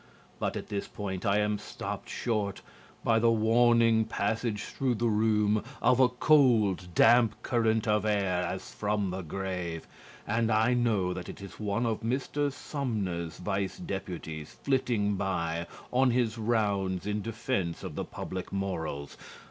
But at this point I am stopped short by the warning passage through the room of a cold, damp current of air as from the grave, and I know that it is one of Mr. Sumner's vice deputies flitting by on his rounds in defense of the public morals.